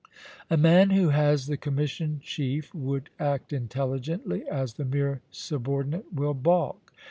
A man who as the commissioned chief would act intelligently, as the mere subordinate will balk.